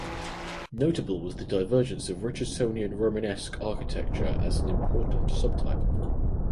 Notable was the divergence of Richardsonian Romanesque architecture as an important subtype.